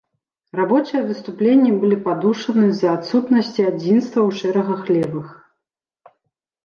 Рабочыя выступленні былі падушаны з-за адсутнасці адзінства ў шэрагах левых.